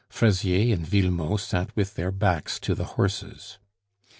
Fraisier and Villemot sat with their backs to the horses.